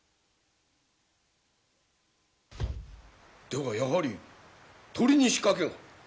ではやはり鶏に仕掛けが？